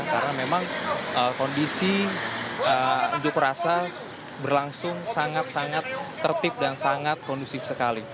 karena memang kondisi untuk rasa berlangsung sangat sangat tertib dan sangat kondusif sekali